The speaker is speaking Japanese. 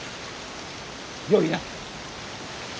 よいな。